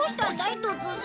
突然。